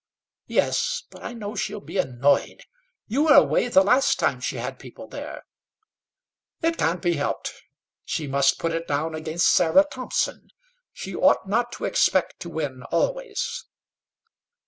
"Yes: but I know she'll be annoyed. You were away the last time she had people there." "It can't be helped. She must put it down against Sarah Thompson. She ought not to expect to win always."